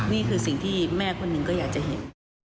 นี่คือสิ่งที่แม่คนหนึ่งก็อยากจะเห็น